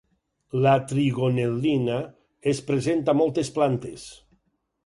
La trigonel·lina és present a moltes plantes.